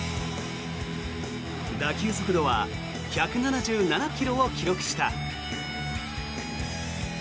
打球速度は１７７ｋｍを記録した。